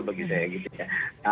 bagi saya gitu ya